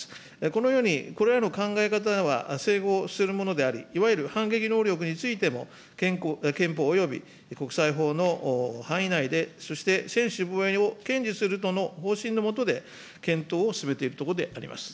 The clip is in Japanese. このようにこれらの考え方は整合するものであり、いわゆる反撃能力についても、憲法および国際法の範囲内で、そして、専守防衛を堅持するとの方針の下で、検討を進めているところであります。